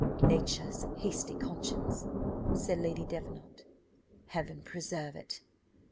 Nature's hasty conscience," said Lady Davenant. "Heaven preserve it!"